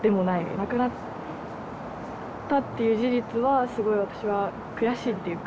亡くなったっていう事実はすごい私は悔しいというか。